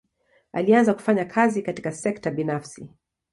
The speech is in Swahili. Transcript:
Alianza kufanya kazi katika sekta binafsi.